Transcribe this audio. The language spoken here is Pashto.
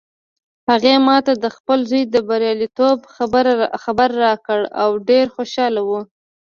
هغې ما ته د خپل زوی د بریالیتوب خبر راکړ او ډېره خوشحاله وه